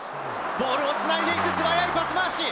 ボールをつないでいく、素早いパス回し。